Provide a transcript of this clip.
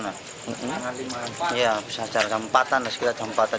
ya habis asaran jam empat an sekitar jam empat an